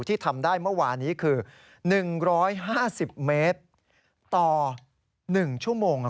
ที่ทำได้เมื่อวานี้คือ๑๕๐เมตรต่อ๑ชั่วโมง